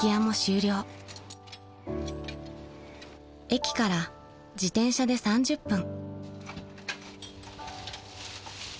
［駅から自転車で３０分］